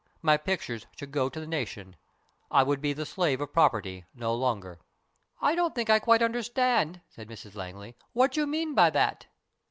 My pictures should go to the nation. I would be the slave of property no longer." " I don't think I quite understand," said Mrs Langley, " what you mean by that."